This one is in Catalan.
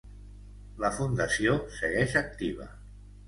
La fundació segueix activa.